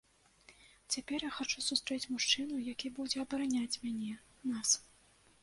Цяпер я хачу сустрэць мужчыну, які будзе абараняць мяне, нас.